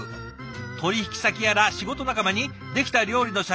取引先やら仕事仲間にできた料理の写真を逐一送信。